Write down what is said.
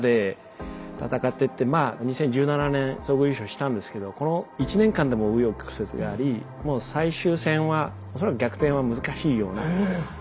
まあ２０１７年総合優勝したんですけどこの１年間でも紆余曲折がありもう最終戦は恐らく逆転は難しいようなポイント差があって。